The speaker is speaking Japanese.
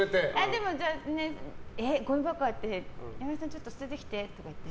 でもごみ箱あって岩井さん、捨ててきてとか言って。